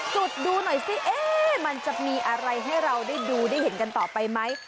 จุดดูหน่อยซิมันจะมีอะไรให้เราได้ดูได้เห็นกันต่อไปไหม